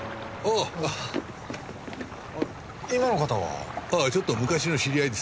ああちょっと昔の知り合いです。